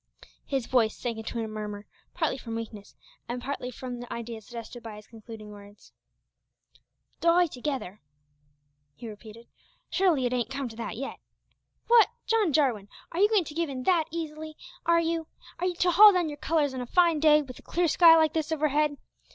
His voice sank into a murmur, partly from weakness and partly from the ideas suggested by his concluding words. "Die together!" he repeated, "surely it ain't come to that yet. Wot, John Jarwin, you're not goin' to give in like that, are you? to haul down your colours on a fine day with a clear sky like this overhead?